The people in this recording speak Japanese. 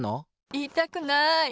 いいたくない。